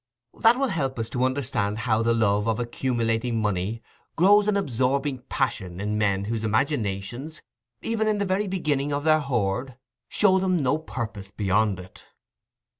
That will help us to understand how the love of accumulating money grows an absorbing passion in men whose imaginations, even in the very beginning of their hoard, showed them no purpose beyond it.